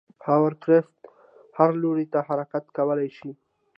هاورکرافت هر لوري ته حرکت کولی شي.